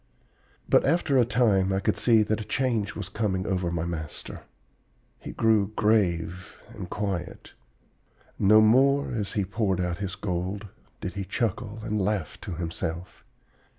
"But after a time I could see that a change was coming over my master. He grew grave and quiet. No, more, as he poured out his gold, did he chuckle and laugh to himself.